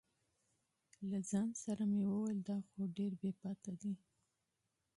له ځان سره مې ویل دا خو ډېر بې حیایان دي.